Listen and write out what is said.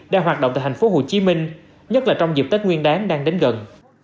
đang hoạt động tại tp hcm nhất là trong dịp tết nguyên đáng đang đến gần